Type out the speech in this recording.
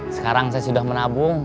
sekarang saya sudah menabung